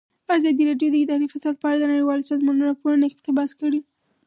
ازادي راډیو د اداري فساد په اړه د نړیوالو سازمانونو راپورونه اقتباس کړي.